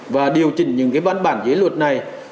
và điều chỉnh những văn bản dưới luật này